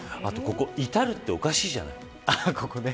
あと、ここ至っておかしいじゃない。